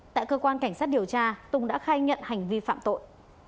tại cơ quan cảnh sát điều tra tùng đã khai nhận hành vi phạm tội